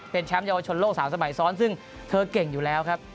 เป็นแชมป์เยาวชนโลก๓สมัยซ้อนซึ่งเธอเก่งอยู่แล้วครับ